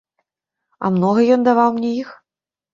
А многа ён даваў мне іх?